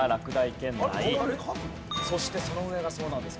そしてその上がそうなんです